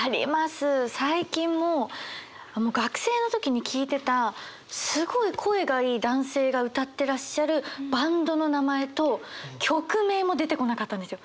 最近も学生の時に聴いてたすごい声がいい男性が歌ってらっしゃるバンドの名前と曲名も出てこなかったんですよ。